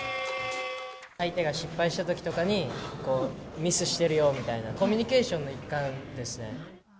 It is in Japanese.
相手が失敗したときとかに、ミスしてるよとか、コミュニケーションの一環ですね。